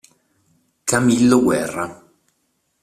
Camillo Guerra